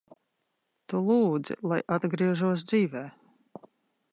Tu lūdzi, lai atgriežos dzīvē.